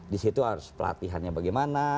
disitu harus pelatihannya bagaimana